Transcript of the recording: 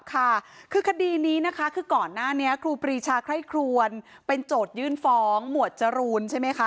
ค่ะคือคดีนี้นะคะคือก่อนหน้านี้ครูปรีชาไคร่ครวนเป็นโจทยื่นฟ้องหมวดจรูนใช่ไหมคะ